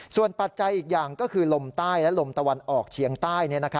ส่วนปัจจัยอีกอย่างก็คือลมใต้และลมตะวันออกเฉียงใต้